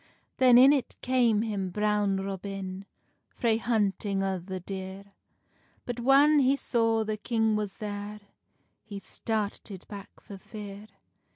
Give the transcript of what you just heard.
Then in it came him Brown Robin, Frae hunting O the deer; But whan he saw the king was there, He started back for fear.